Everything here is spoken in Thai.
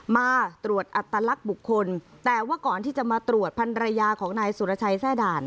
มาตรวจอัตลักษณ์บุคคลแต่ว่าก่อนที่จะมาตรวจพันรยาของนายสุรชัยแทร่ด่าน